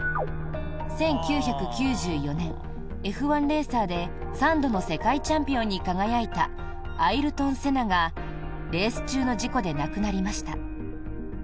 １９９４年、Ｆ１レーサーで３度の世界チャンピオンに輝いたアイルトン・セナがレース中の事故で亡くなりました。